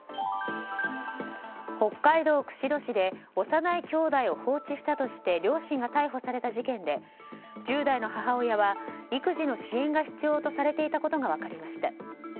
北海道釧路市で幼い兄弟を放置したとして両親が逮捕された事件で１０代の母親は育児の支援が必要とされていたことが分かりました。